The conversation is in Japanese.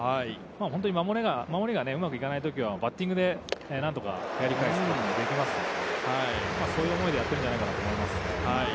本当に守りがうまくいかないときはバッティングで何とかやり返すことができると、そういう思いでやってるんじゃないかと思いますね。